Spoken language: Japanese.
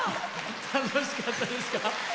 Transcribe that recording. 楽しかったですか？